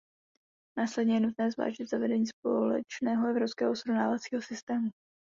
Následně je nutné zvážit zavedení společného evropského srovnávacího systému.